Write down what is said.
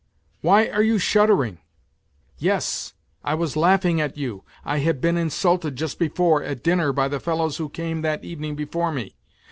Why are you shuddering ? Yes, I was laughing at you ! I had been insulted just before, at dinner, by the fellows who came that evening before me.